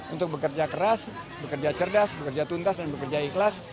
untuk bekerja keras bekerja cerdas bekerja tuntas dan bekerja ikhlas